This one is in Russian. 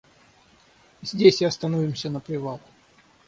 Здесь и остановимся на привал.